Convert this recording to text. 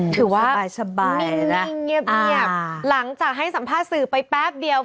ถือว่านิ่งเงียบหลังจากให้สัมภาษณ์สื่อไปแป๊บเดียว